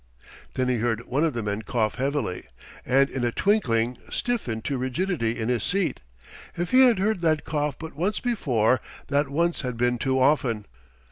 Then he heard one of the men cough heavily, and in a twinkling stiffened to rigidity in his seat. If he had heard that cough but once before, that once had been too often.